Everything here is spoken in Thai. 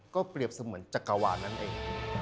ก็เปรียบเสมือนจักรวาลนั่นเอง